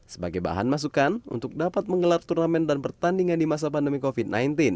sebagai bahan masukan untuk dapat menggelar turnamen dan pertandingan di masa pandemi covid sembilan belas